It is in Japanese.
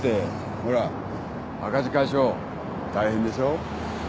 ほら赤字解消大変でしょ。